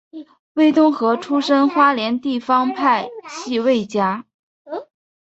魏东河出身花莲地方派系魏家。